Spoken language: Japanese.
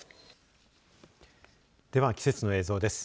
では、季節の映像です。